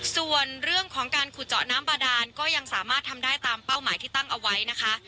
ส่วนเรื่องของการขุดเจาะน้ำบาดานก็ยังสามารถทำได้ตามเป้าหมายที่ตั้งเอาไว้นะคะ